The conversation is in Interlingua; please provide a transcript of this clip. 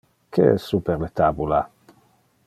Que es super le tabula?